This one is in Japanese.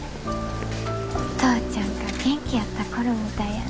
お父ちゃんが元気やった頃みたいやな。